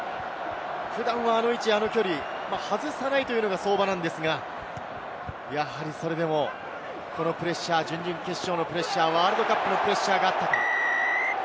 普段はあの位置、あの距離、外さないというのが相場なのですが、やはりそれでも、このプレッシャー、準々決勝のプレッシャー、ワールドカップのプレッシャーか。